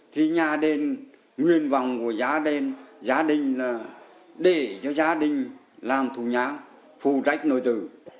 thì nhà đền nguyên vọng của gia đình là để cho gia đình làm thủ nhang phù trách nổi từ